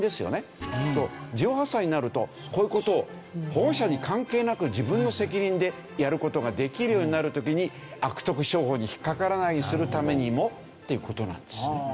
１８歳になるとこういう事を保護者に関係なく自分の責任でやる事ができるようになる時に悪徳商法に引っかからないようにするためにもっていう事なんですね。